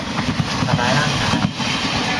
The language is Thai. ทำร้ายร่างกาย